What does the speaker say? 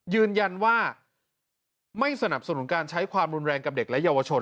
ยืนยันว่าไม่สนับสนุนการใช้ความรุนแรงกับเด็กและเยาวชน